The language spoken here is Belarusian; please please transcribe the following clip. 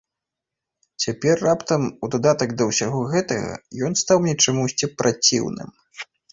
Цяпер раптам, у дадатак да ўсяго гэтага, ён стаў мне чамусьці праціўным.